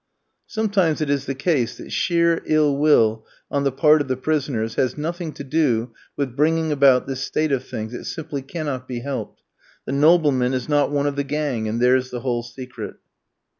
Sometimes it is the case that sheer ill will on the part of the prisoners has nothing to do with bringing about this state of things, it simply cannot be helped; the nobleman is not one of the gang, and there's the whole secret.